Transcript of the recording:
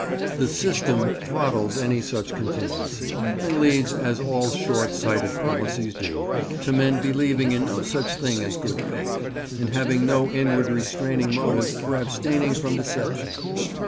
The "system" throttles any such contingency, and leads—as all short sighted policies do—to men believing in no such thing as good faith, and having no inward restraining motive for abstaining from deception.